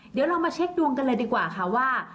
เดี๋ยวเรามาเช็คดวงกันเลยดีกว่าค่ะว่า